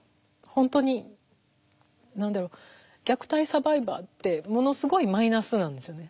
本当に虐待サバイバーってものすごいマイナスなんですよね。